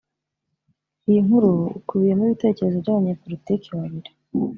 Iyi nkuru ikubiyemo ibitekerezo by’Abanyepolitiki babiri